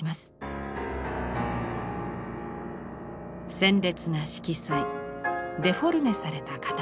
鮮烈な色彩デフォルメされた形。